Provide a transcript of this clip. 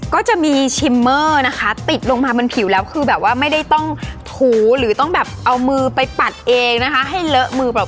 ก็จะมีชิมเมอร์นะคะติดลงมาบนผิวแล้วคือแบบว่าไม่ได้ต้องถูหรือต้องแบบเอามือไปปัดเองนะคะให้เลอะมือเปล่า